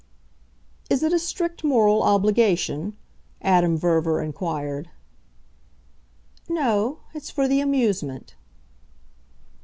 "Is it a strict moral obligation?" Adam Verver inquired. "No it's for the amusement."